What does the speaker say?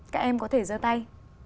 các em có thể giơ tay